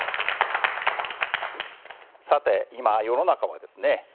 さて今世の中はですね